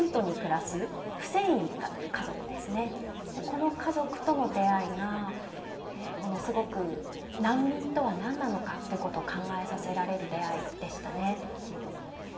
この家族との出会いがものすごく難民とは何なのかということを考えさせられる出会いでしたね。